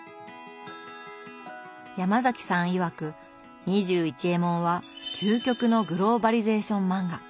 ヤマザキさんいわく「２１エモン」は究極のグローバリゼーション漫画。